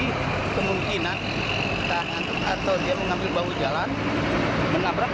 jadi kemungkinan kita ngantuk atau dia mengambil bau jalan menabrak